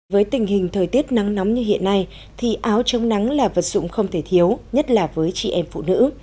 với tình hình thời tiết nắng nóng như hiện nay thì áo chống nắng là vật dụng không thể thiếu nhất là với chị em phụ nữ